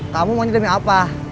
kamu mau demi apa